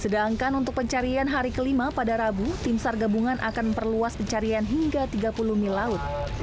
sedangkan untuk pencarian hari kelima pada rabu tim sar gabungan akan memperluas pencarian hingga tiga puluh mil laut